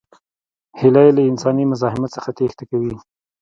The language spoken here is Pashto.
هیلۍ له انساني مزاحمت څخه تېښته کوي